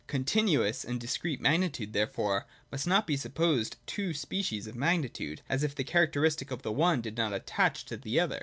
(i) Continuous and Discrete magnitude, therefore, must not be supposed two species of magnitude, as loo.J CONTINUOUS AND DISCRETE. 189 if the characteristic of the one did not attach to the other.